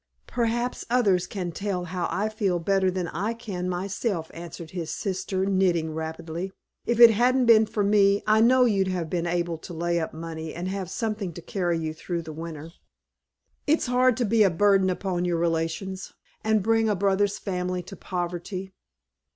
"Perhaps others can tell how I feel, better than I can myself," answered his sister, knitting rapidly. "If it hadn't been for me, I know you'd have been able to lay up money, and have something to carry you through the winter. It's hard to be a burden upon your relations, and bring a brother's family to poverty."